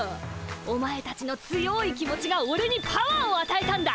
お前たちの強い気持ちがオレにパワーをあたえたんだ。